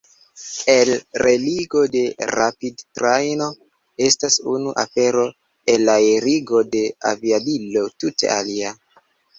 Elreligo de rapidtrajno estas unu afero; elaerigo de aviadilo tute alia.